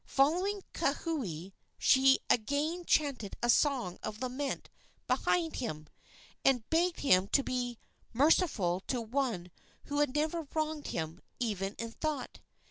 Following Kauhi, she again chanted a song of lament behind him, and begged him to be merciful to one who had never wronged him, even in thought.